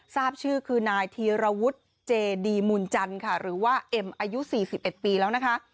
ทราบชื่อคือนายธีรวุฒิเจดีมูลจันทร์ค่ะหรือว่าเอ็มอายุ๔๑ปีแล้วนะคะ